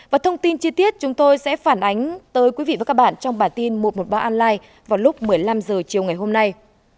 và thông tin chi tiết chúng tôi sẽ phản ánh tới quý vị và các bạn trong bản tin một trăm một mươi ba online vào lúc một mươi năm h chiều ngày hôm nay